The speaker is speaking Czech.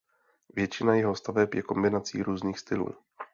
Většina jeho staveb je kombinací různých stylů.